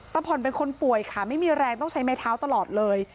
ผ่อนเป็นคนป่วยค่ะไม่มีแรงต้องใช้ไม้เท้าตลอดเลย